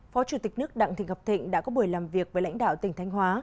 phó chủ tịch nước đặng thị ngọc thịnh đã có buổi làm việc với lãnh đạo tỉnh thanh hóa